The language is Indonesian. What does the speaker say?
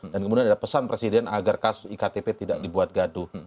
dan kemudian ada pesan presiden agar kasus iktp tidak dibuat gaduh